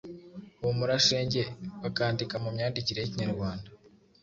Humura Shenge’ bakandika mu myandikire y’ikinyarwanda